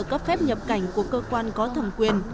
cấp phép nhập cảnh của cơ quan có thẩm quyền